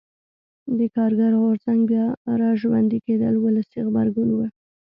د کارګر غورځنګ بیا را ژوندي کېدل ولسي غبرګون و.